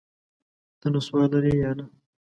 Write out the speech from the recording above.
ته نسوار لرې یا نه؟